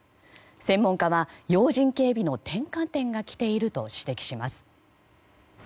専門家は要人警備の転換点が来ていると指摘します。